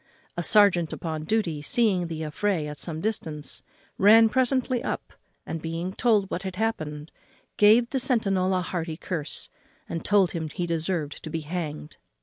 A serjeant upon duty, seeing the affray at some distance, ran presently up, and, being told what had happened, gave the centinel a hearty curse, and told him he deserved to be hanged.